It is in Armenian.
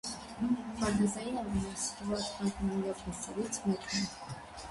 Պարտեզային ամենասիրված բազմամյա բույսերից մեկն է։